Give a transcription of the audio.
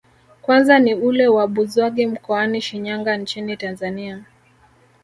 Kwanza ni ule wa Buzwagi mkoani Shinyanga nchini Tanzania